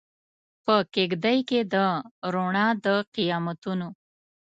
په کیږدۍ کې د روڼا د قیامتونو